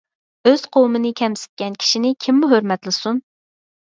ئۆز قوۋمىنى كەمسىتكەن كىشىنى كىممۇ ھۆرمەتلىسۇن؟ !